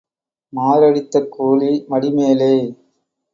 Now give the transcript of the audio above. மாரடித்த கூலி மடி மேலே.